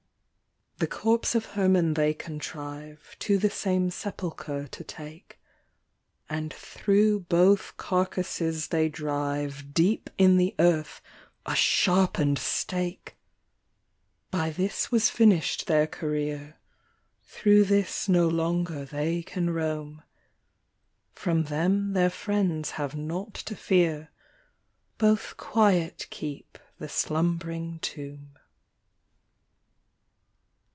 The corpse of Herman they contrive To the same sepulchre to take, And thro' both carcases they drive, Deep in the earth, a sharpen'd stake ! By this wa6 finish' d their career, Thro' this no longer they can roam ; From them their friends have nought to fear, Both quiet keep the slumb'ring tomb.